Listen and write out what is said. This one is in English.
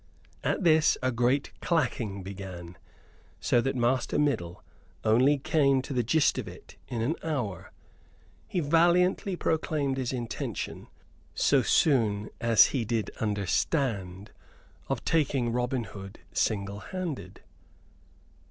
At this a great clacking began, so that Master Middle only came to the gist of it in an hour. He valiantly proclaimed his intention, so soon as he did understand, of taking Robin Hood single handed.